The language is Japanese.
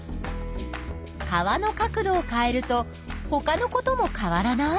川の角度を変えるとほかのことも変わらない？